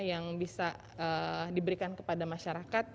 yang bisa diberikan kepada masyarakat